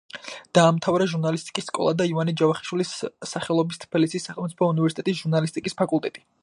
დაამთავრა ჟურნალისტიკის სკოლა და ივანე ჯავახიშვილის სახელობის თბილისის სახელმწიფო უნივერსიტეტის ჟურნალისტიკის ფაკულტეტი.